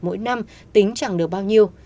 mỗi năm tính chẳng được bao nhiêu